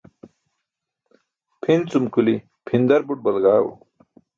Pʰin cum kuli pʰindar but balagaẏo.